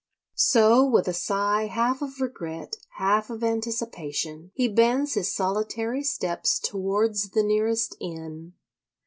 So, with a sigh half of regret, half of anticipation, he bends his solitary steps towards the nearest inn.